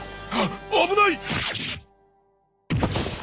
危ない！